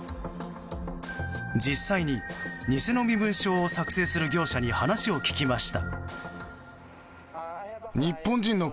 実際に、偽の身分証を作成する業者に話を聞きました。